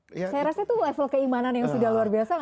saya rasa itu level keimanan yang sudah luar biasa